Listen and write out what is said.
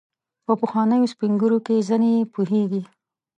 په پخوانیو سپین ږیرو کې ځینې یې پوهیږي.